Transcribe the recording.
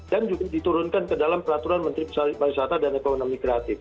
dan juga diturunkan ke dalam peraturan menteri pesawat dan ekonomi kreatif